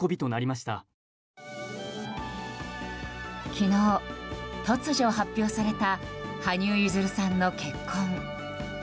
昨日、突如発表された羽生結弦さんの結婚。